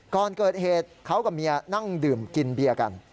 ก่อนเกิดเหตุเขากับเมียนั่งดื่มกินเบียร์กัน